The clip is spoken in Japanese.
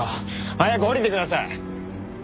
早く降りてください！